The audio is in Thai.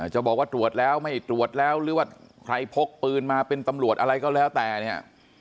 จะบอกว่าตรวจแล้วไม่ตรวจแล้วหรือว่าใครพกปืนมาเป็นตำรวจอะไรก็แล้วแต่เนี่ย